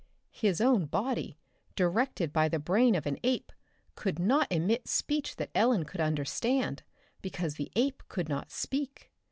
His own body, directed by the brain of an ape, could not emit speech that Ellen could understand, because the ape could not speak.